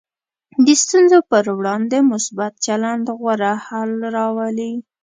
د ستونزو پر وړاندې مثبت چلند غوره حل راولي.